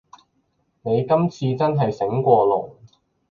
你今次真係醒過龍